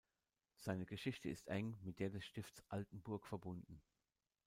Seine Geschichte ist eng mit der des Stifts Altenburg verbunden.